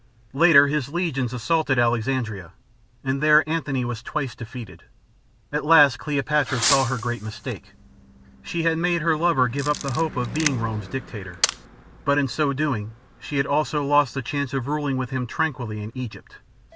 Later his legions assaulted Alexandria, and there Antony was twice defeated. At last Cleopatra saw her great mistake. She had made her lover give up the hope of being Rome's dictator, but in so doing she had also lost the chance of ruling with him tranquilly in Egypt.